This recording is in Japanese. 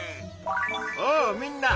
おおみんな！